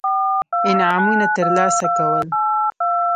انعامونه ترلاسه کول.